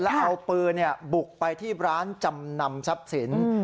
แล้วเอาปืนบุกไปที่ร้านจำนำทรัพย์สิน